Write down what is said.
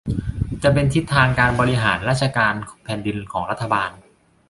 จะเป็นทิศทางการบริหารราชการแผ่นดินของรัฐบาล